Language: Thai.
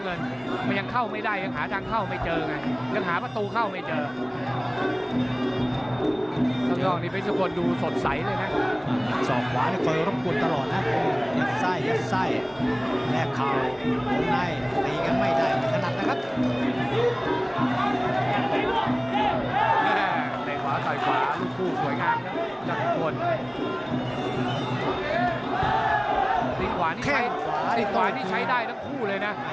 สิ้นขวานี่ใช้ได้ทั้งคู่เลยนะ